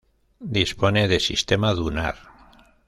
Dispone de sistema dunar.